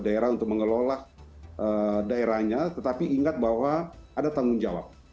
daerah untuk mengelola daerahnya tetapi ingat bahwa ada tanggung jawab